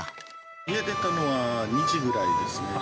家出たのは２時ぐらいですね。